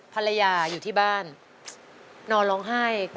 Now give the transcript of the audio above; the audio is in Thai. ภรรยาอยู่ที่บ้านนอนร้องไห้